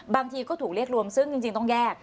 บางทีก็ถูกเรียกรวมซึ่งจริงต้องแยก